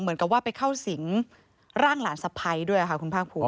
เหมือนกับว่าไปเข้าสิงร่างหลานสะพ้ายด้วยค่ะคุณภาคภูมิ